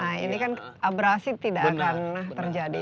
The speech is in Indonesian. nah ini kan abrasi tidak akan terjadi